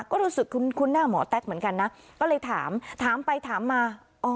ก็รู้สึกคุ้นหน้าหมอแต๊กเหมือนกันนะก็เลยถามถามไปถามมา